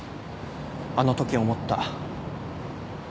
あのとき思った。